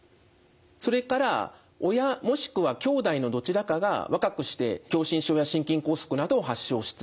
それから親もしくはきょうだいのどちらかが若くして狭心症や心筋梗塞などを発症する。